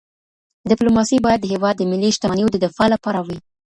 ډیپلوماسي باید د هېواد د ملي شتمنیو د دفاع لپاره وي.